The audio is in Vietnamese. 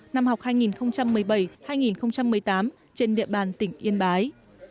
năm học hai nghìn một mươi bảy hai nghìn một mươi tám trên địa bàn tỉnh yên bái